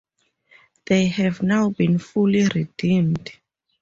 They have now been fully redeemed.